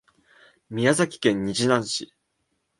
宮崎県日南市